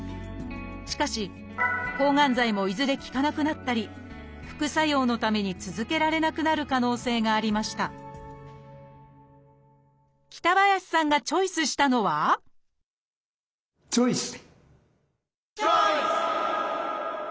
しかし抗がん剤もいずれ効かなくなったり副作用のために続けられなくなる可能性がありました北林さんがチョイスしたのはチョイス！